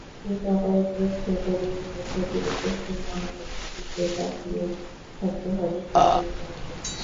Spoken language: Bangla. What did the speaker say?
কিন্তু আপাতত সেটা দূরে রেখে অতিরিক্ত সময়ের দিকেই তাকিয়ে থাকতে হবে ফুটবলপ্রেমীদের।